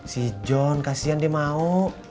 si john kasihan dia mau